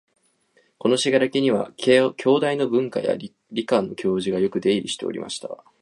この「信楽」には、京大の文科や理科の教授がよく出入りしておりました